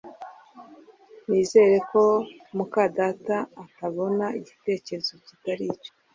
Nizere ko muka data atabona igitekerezo kitari cyo